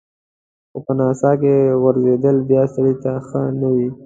خو په څاه کې غورځېدل بیا سړی ته ښه نه وي.